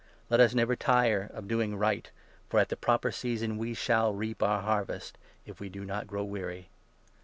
Let us never tire of doing right, for at 9 the proper season we shall reap our harvest, if we do not grow weary.